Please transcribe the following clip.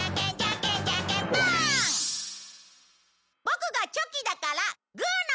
ボクがチョキだからグーの勝ち！